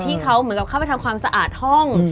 ที่เขาเหมือนกับเข้าไปทำความสะอาดห้อง